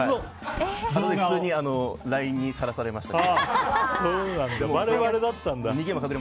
普通にＬＩＮＥにさらされました。